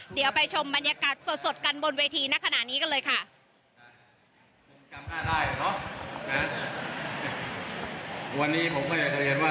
เดี๋ยวไปชมบรรยากาศสดกันบนเวทีณขณะนี้กันเลยค่ะ